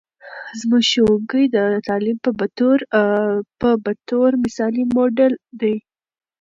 زموږ ښوونکې د تعلیم په بطور مثالي موډل دی.